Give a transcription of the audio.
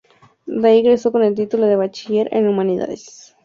De ahí egresó con el título de Bachiller en Humanidades.